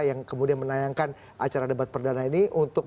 yang kemudian menayangkan acara debat perdana ini untuk